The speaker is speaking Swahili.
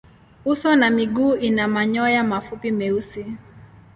Uso na miguu ina manyoya mafupi meusi.